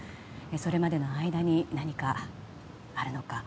それまでの間に何かあるのか。